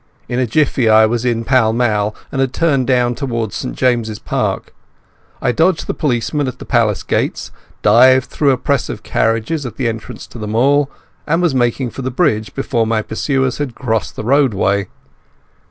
In a jiffy I was in Pall Mall and had turned down towards St James's Park. I dodged the policeman at the Palace gates, dived through a press of carriages at the entrance to the Mall, and was making for the bridge before my pursuers had crossed the roadway.